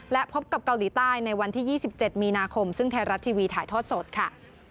และพบกับเกาหลีใต้ในวันที่๒๗มีนาคมซึ่งไทยรัฐทีวีถ่ายทอดสดค่ะ